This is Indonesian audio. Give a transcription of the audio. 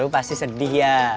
lu pasti sedih ya